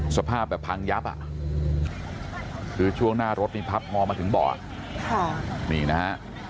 สภาพแบบพังยับอ่ะคือช่วงหน้ารถนี่พับงอมาถึงบ่อนี่นะฮะ